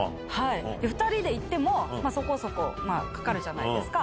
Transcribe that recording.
２人で行っても、そこそこかかるじゃないですか。